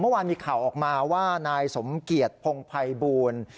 เมื่อวานมีข่าวออกมาว่านายสมเกียจพงภัยบูล